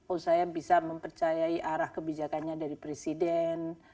oh saya bisa mempercayai arah kebijakannya dari presiden